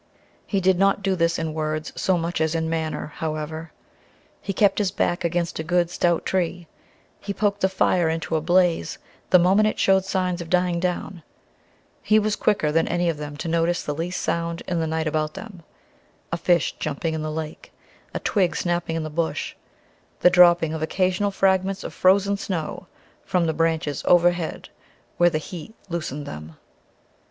He did not do this in words so much as in manner, however. He kept his back against a good, stout tree; he poked the fire into a blaze the moment it showed signs of dying down; he was quicker than any of them to notice the least sound in the night about them a fish jumping in the lake, a twig snapping in the bush, the dropping of occasional fragments of frozen snow from the branches overhead where the heat loosened them.